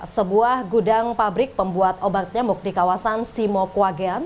sebuah gudang pabrik pembuat obat nyambuk di kawasan simo kwa gen